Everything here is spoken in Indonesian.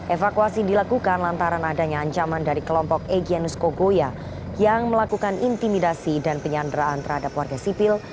evakuasi dilakukan lantaran adanya ancaman dari kelompok egyanus kogoya yang melakukan intimidasi dan penyanderaan terhadap warga sipil